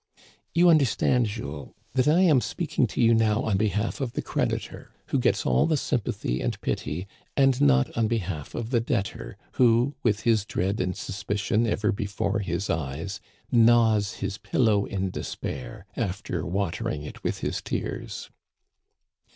"You understand, Jules, that I am speaking to you now on behalf of the creditor, who gets all the sympa thy and pity, and not on behalf of the debtor who, with his dread and suspicion ever before his eyes, gnaws his pillow in despair after watering it with his tears.